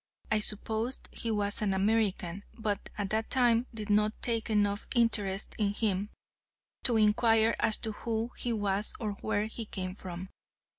I supposed he was an American, but at that time did not take enough interest in him to inquire as to who he was or where he came from.